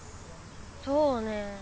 そうね。